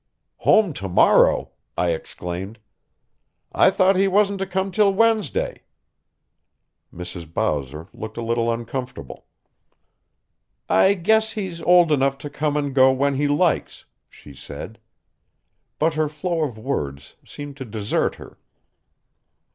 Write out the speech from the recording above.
"Home to morrow!" I exclaimed. "I thought he wasn't to come till Wednesday." Mrs. Bowser looked a little uncomfortable. "I guess he's old enough to come and go when he likes," she said. But her flow of words seemed to desert her.